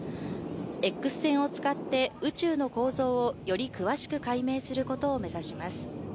Ｘ線を使って宇宙の構造をより詳しく解明することを目指します。